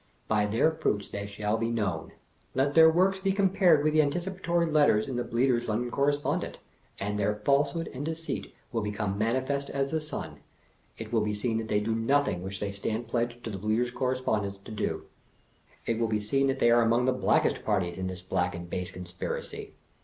By their fruits they shall be known. Let their works be compared with the antici patory letters of the Bleater' s London Correspondent, and their falsehood and deceit will become manifest as the sun; it will be seen that they do nothing which they stand pledged to the Bleater' s London Correspondent to do; it will be seen that they are among the blackest parties in this black and base conspiracy.